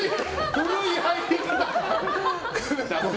古い入り方！